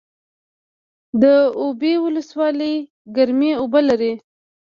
د اوبې ولسوالۍ ګرمې اوبه لري